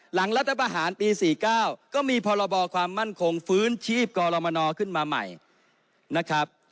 รัฐประหารปี๔๙ก็มีพรบความมั่นคงฟื้นชีพกรมนขึ้นมาใหม่นะครับ